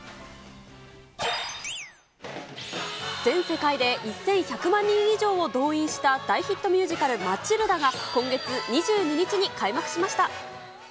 全世界で１１００万人以上を動員した大ヒットミュージカル、マチルダが、今月２２日に開幕しました。